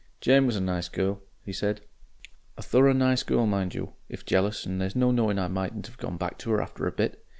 "Jane was a nice girl," he said, "a thorough nice girl mind you, if jealous, and there's no knowing I mightn't 'ave gone back to 'er after a bit.